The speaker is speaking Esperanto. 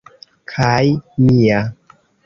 kaj mia